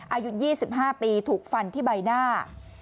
อายุ๒๕ปีถูกฟันที่ใบหน้า